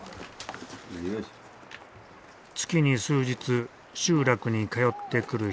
月に数日集落に通ってくる人がいる。